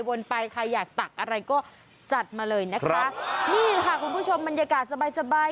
ไปใครอยากตักอะไรก็จัดมาเลยนะคะนี่ค่ะคุณผู้ชมบรรยากาศสบายสบาย